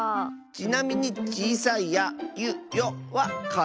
ちなみにちいさい「や」「ゆ」「よ」はかぞえない。